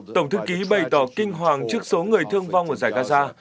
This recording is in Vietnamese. tổng thư ký bày tỏ kinh hoàng trước số người thương vong ở giải gaza